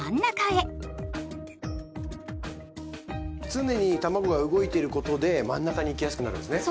常にたまごが動いていることで真ん中にいきやすくなるんですね。